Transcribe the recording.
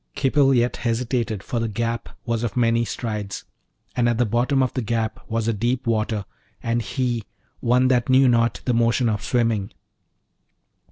Khipil yet hesitated, for the gap was of many strides, and at the bottom of the gap was a deep water, and he one that knew not the motion of swimming.